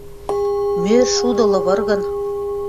Мӧр шуды лывыргын